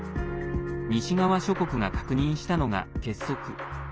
西側諸国が確認したのが「結束」。